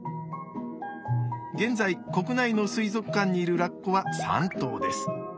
現在国内の水族館にいるラッコは３頭です。